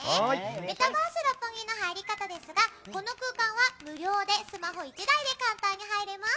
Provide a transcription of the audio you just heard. メタバース六本木の入り方ですがこの空間は無料でスマホ１台で簡単に入れます。